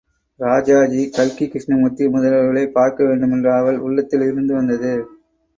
ராஜாஜி, கல்கி கிருஷ்ணமூர்த்தி முதலியவர்களைப் பார்க்க வேண்டுமென்ற ஆவல் உள்ளத்தில் இருந்து வந்தது.